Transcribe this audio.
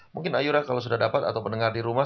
mungkin ayura kalau sudah dapat atau mendengar di rumah